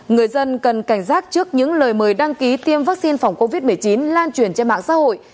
người dân cần cảnh giác trước những lời mời đăng ký tiêm vaccine phòng covid một mươi chín lan truyền trên mạng xã hội